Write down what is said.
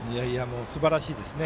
すばらしいですね。